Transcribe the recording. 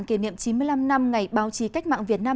kỷ niệm chín mươi năm năm ngày báo chí cách mạng việt nam